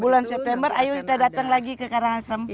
bulan september ayo kita datang lagi ke karangasem